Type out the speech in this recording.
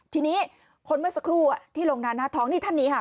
ทีนี้คนเมื่อสักครู่ที่ลงหน้าท้องนี่ท่านนี้ค่ะ